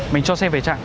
mình cho xe về trạng